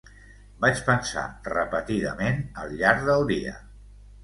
Vaig pensar repetidament al llarg del dia.